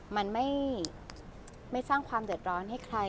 มันไม่สร้างความเดือดร้อนให้ใคร